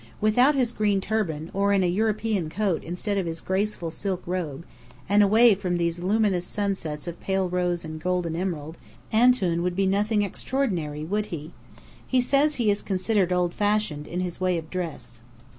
Without his green turban, or in European coat instead of his graceful silk robe, and away from these luminous sunsets of pale rose and gold and emerald, Antoun would be nothing extraordinary, would he? He says he is considered old fashioned in his way of dress.